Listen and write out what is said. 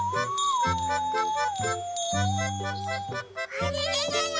あれれれれ？